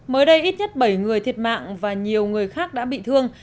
mới đây ít nhất bảy người thiệt mạng và nhiều người khác đã bị thương